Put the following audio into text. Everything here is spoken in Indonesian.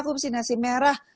aku mesti nasi merah